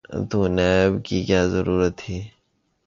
تو نیب کی کیا ضرورت تھی؟